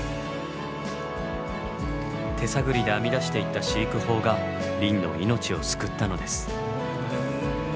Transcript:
手探りで編み出していった飼育法が輪の命を救ったのです。